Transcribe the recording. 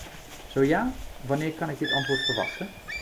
Zo ja, wanneer kan ik dit antwoord verwachten?